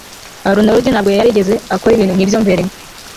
arnaud ntabwo yari yarigeze akora ibintu nkibyo mbere